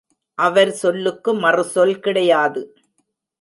அவர் சொல்லுக்கு மறுசொல் கிடையாது.